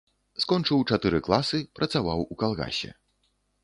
Скончыў чатыры класы, працаваў у калгасе.